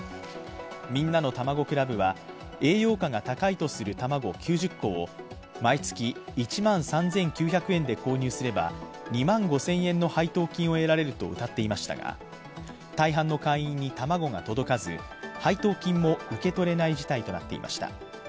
みんなのたまご倶楽部は栄養価が高いとする卵９０個を毎月１万３９００円で購入すれば２万５０００円の配当金を得られるとうたっていましたが大半の会員に卵が届かず配当金も受け取れない事態となっていました。